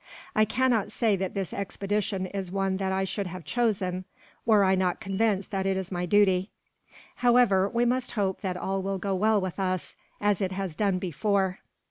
I cannot say that this expedition is one that I should have chosen, were I not convinced that it is my duty. However, we must hope that all will go well with us, as it has done before."